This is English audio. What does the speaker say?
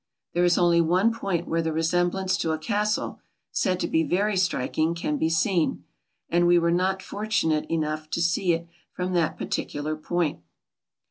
There is only one point where the resemblance to a casde said to be very strik ing can be seen, and we were not fortunate enough to see it from that pardcular point.